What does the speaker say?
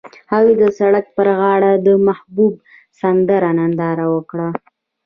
هغوی د سړک پر غاړه د محبوب سمندر ننداره وکړه.